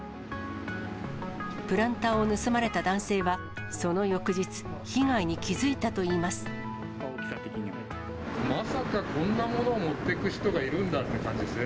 プランターを盗まれた男性はその翌日、まさかこんなものを持っていく人がいるんだって感じですね。